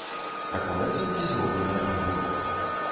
Такой ацэнкі зроблена не было.